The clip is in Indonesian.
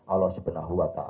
allah subhanahu wa ta'ala